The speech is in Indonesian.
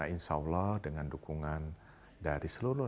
insya allah dengan dukungan dari seluruh